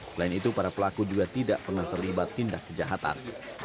selain itu para pelaku juga tidak pernah terlibat tindak kejahatan